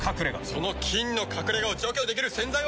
その菌の隠れ家を除去できる洗剤は。